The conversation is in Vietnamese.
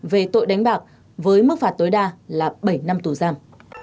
về tội đánh bạc với mức phạt tối đa là bảy năm tù giam